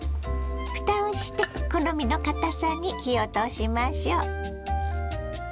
ふたをして好みのかたさに火を通しましょ。